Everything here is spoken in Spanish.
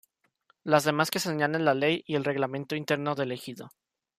Las demás que señalen la ley y el reglamento interno del ejido.